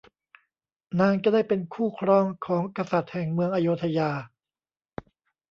นางจะได้เป็นคู่ครองของกษัตริย์แห่งเมืองอโยธยา